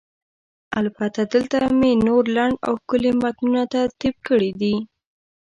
البته، دلته مې نور لنډ او ښکلي متنونه ترتیب کړي دي: